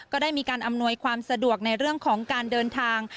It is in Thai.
ก็ได้มีการอำนวยความสะดวกในเรื่องของการเดินทาง